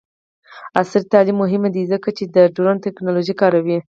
عصري تعلیم مهم دی ځکه چې د ډرون ټیکنالوژي کاروي.